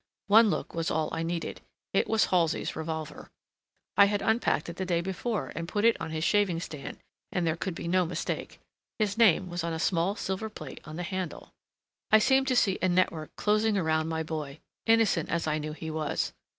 One look was all I needed. It was Halsey's revolver. I had unpacked it the day before and put it on his shaving stand, and there could be no mistake. His name was on a small silver plate on the handle. I seemed to see a network closing around my boy, innocent as I knew he was.